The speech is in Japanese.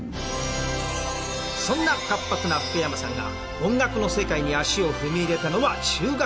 そんな活発な福山さんが音楽の世界に足を踏み入れたのは中学時代。